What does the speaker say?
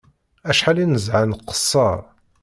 Acḥal i nezha nqeṣṣer